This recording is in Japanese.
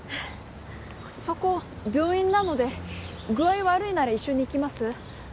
そこ病院なので具合悪いなら一緒に行きます？